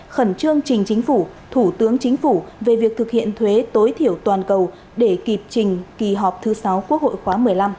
khẩn trương trình chính phủ thủ tướng chính phủ về việc thực hiện thuế tối thiểu toàn cầu để kịp trình kỳ họp thứ sáu quốc hội khóa một mươi năm